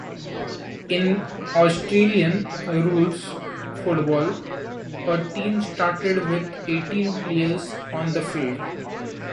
In Australian rules football, a team starts with eighteen players on the field.